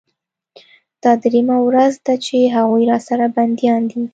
دا درېيمه ورځ ده چې هغوى راسره بنديان دي.